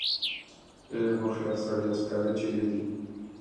ای هوښیار سړیه سکاره چېرې دي.